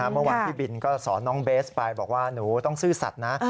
เมื่อวานพี่บินก็สอนน้องเบสไปบอกว่าหนูต้องซื่อสัตว์นะ